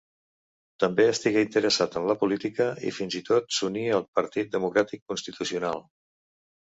També estigué interessat en la política, i fins i tot s'uní al Partit Democràtic Constitucional.